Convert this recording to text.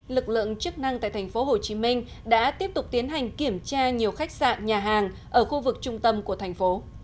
lực lượng chức năng tại thành phố hồ chí minh đã tiếp tục tiến hành kiểm tra nhiều khách sạn nhà hàng ở khu vực trung tâm của thành phố